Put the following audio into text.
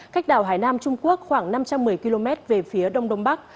cách đảo hải nam trung quốc khoảng năm trăm một mươi km về phía đông đông bắc